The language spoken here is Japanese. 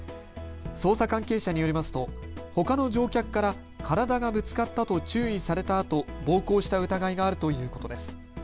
捜査関係者によりますとほかの乗客から体がぶつかったと注意されたあと暴行した疑いがあるということです。